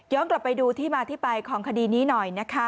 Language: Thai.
อยากกลับไปดูที่มาที่ไปของคดีนี้หน่อย